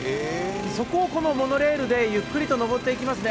そこをこのモノレールでゆっくりと上っていきますね。